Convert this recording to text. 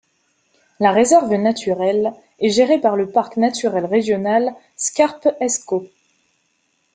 La réserve naturelle est gérée par le Parc naturel régional Scarpe-Escaut.